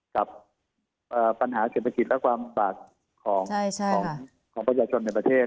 กับปัญหาเศรษฐกิจและความบาดของประชาชนในประเทศ